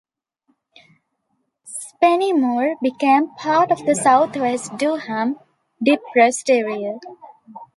Spennymoor became part of the South West Durham depressed area.